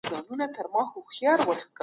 سوسياليستي افراط ټولني ته زيان ورساوه.